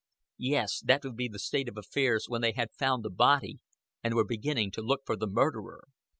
Yes, that would be the state of affairs when they had found the body and were beginning to look for the murderer.